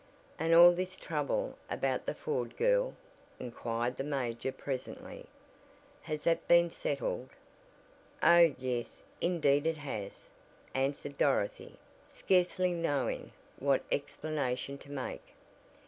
"And all this trouble about the Ford girl?" inquired the major presently, "has that been settled?" "Oh, yes, indeed it has," answered Dorothy, scarcely knowing what explanation to make.